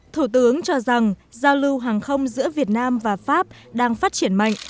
thủ tướng cho rằng giao lưu hàng không giữa việt nam và pháp đang phát triển mạnh